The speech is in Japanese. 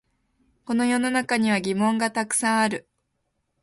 この世の中には疑問がたくさんある